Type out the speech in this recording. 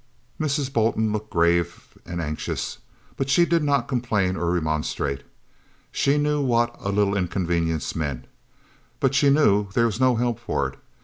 Mrs. Bolton looked grave and anxious, but she did not complain or remonstrate; she knew what a "little inconvenience" meant, but she knew there was no help for it.